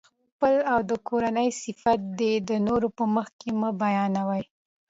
خپل او د کورنۍ صفت دي د نورو په مخکي مه بیانوئ!